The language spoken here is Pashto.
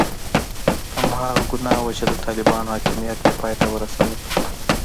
هماغه ګناه وه چې د طالبانو حاکمیت یې پای ته ورساوه.